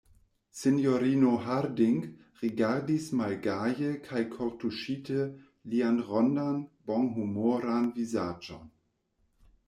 Sinjorino Harding rigardis malgaje kaj kortuŝite lian rondan, bonhumoran vizaĝon.